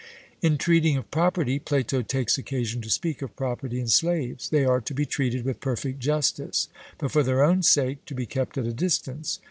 In treating of property, Plato takes occasion to speak of property in slaves. They are to be treated with perfect justice; but, for their own sake, to be kept at a distance.